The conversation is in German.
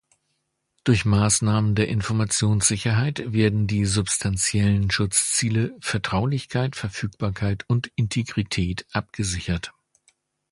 Durch Maßnahmen der Informationssicherheit werden die substantiellen Schutzziele Vertraulichkeit, Verfügbarkeit und Integrität abgesichert.